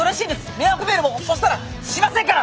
迷惑メールもそしたらしませんから！